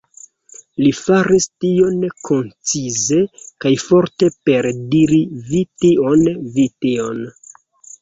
Li faris tion koncize kaj forte per diri "Vi tion, vi tion".